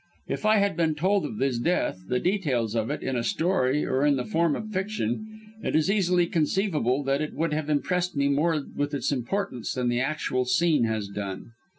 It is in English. If I had been told of his death the details of it, in a story or in the form of fiction it is easily conceivable that it would have impressed me more with its importance than the actual scene has done.